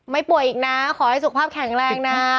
ป่วยอีกนะขอให้สุขภาพแข็งแรงนะ